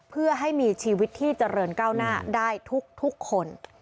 เพื่อให้มีชีวิตที่เจริญก้าวหน้าได้ทุกคน